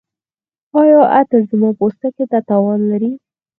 ایا عطر زما پوستکي ته تاوان لري؟